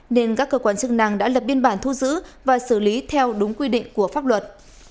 nên các cơ quan chức năng đã lập biên bản thu giữ và xử lý theo đúng quy định của pháp luật